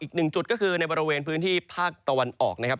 อีกหนึ่งจุดก็คือในบริเวณพื้นที่ภาคตะวันออกนะครับ